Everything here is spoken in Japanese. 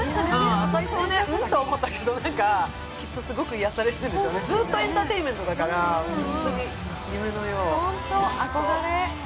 最初は、ん？と思ったけどきっとすごく癒やされるんでしょうね、ずっとエンターテインメントだから、ほんと憧れ。